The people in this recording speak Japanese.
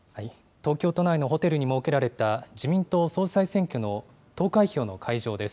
東京都内のホテルに設けられた自民党総裁選挙の投開票の会場です。